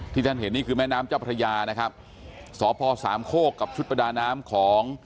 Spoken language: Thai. ท่านเห็นนี่คือแม่น้ำเจ้าพระยานะครับสพสามโคกกับชุดประดาน้ำของ